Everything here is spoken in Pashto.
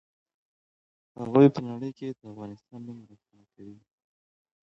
هغوی په نړۍ کې د افغانستان نوم روښانه کوي.